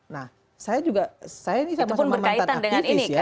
nah saya juga saya ini sama sama mantan aktivis ya